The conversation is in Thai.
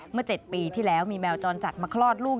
เมื่อ๗ปีที่แล้วมีแมวจรจัดมาคลอดลูก